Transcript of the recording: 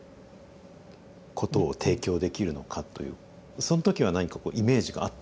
その時は何かこうイメージがあったんですか？